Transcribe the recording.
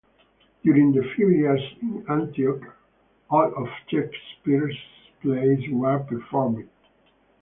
During the few years in Antioch, all of Shakespeare's plays were performed.